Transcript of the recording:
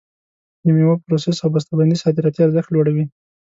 د میوو پروسس او بسته بندي صادراتي ارزښت لوړوي.